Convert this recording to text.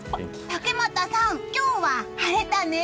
竹俣さん、今日は晴れたね！